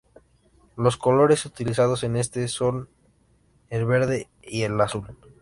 Los colores utilizados en este son el verde y el azul.